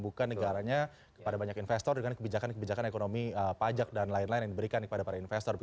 bukan negaranya kepada banyak investor dengan kebijakan kebijakan ekonomi pajak dan lain lain yang diberikan kepada para investor